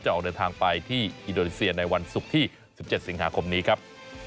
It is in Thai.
ออกเดินทางไปที่อินโดนีเซียในวันศุกร์ที่๑๗สิงหาคมนี้ครับ